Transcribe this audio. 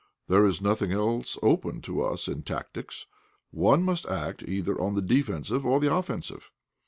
"There is nothing else open to us in tactics one must act either on the defensive or the offensive."